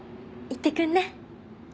行ってくんね。